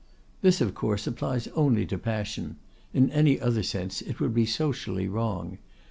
"This, of course, applies only to passion; in any other sense it would be socially wrong.